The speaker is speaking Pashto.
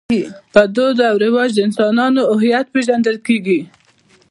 په دود او رواج د انسانانو هویت پېژندل کېږي.